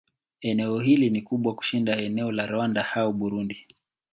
Eneo hili ni kubwa kushinda eneo la Rwanda au Burundi.